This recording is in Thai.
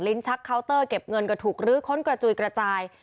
ชักเคาน์เตอร์เก็บเงินก็ถูกลื้อค้นกระจุยกระจาย